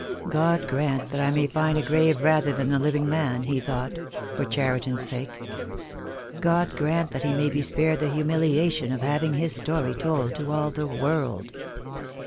"God grant that I may find a grave rather than the living man," he thought, " for Cheriton's sake. God grant 172 THE DAY WILL COME. that he may be spared the humiliation of having his story told to all the world."